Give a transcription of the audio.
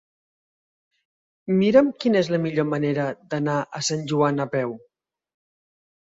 Mira'm quina és la millor manera d'anar a Sant Joan a peu.